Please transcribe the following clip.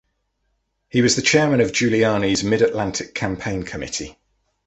He was the Chairman of Giuliani's Mid-Atlantic Campaign Committee.